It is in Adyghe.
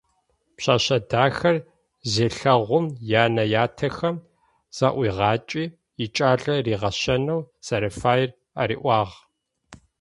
Пшъэшъэ дахэр зелъэгъум янэ ятэхэм заӏуигъакӏи икӏалэ ригъэщэнэу зэрэфаер ариӏуагъ.